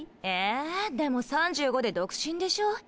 えでも３５で独身でしょ？